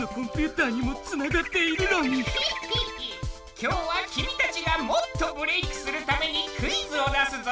今日は君たちがもっとブレイクするためにクイズを出すぞ！